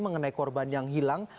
mengenai korban yang hilang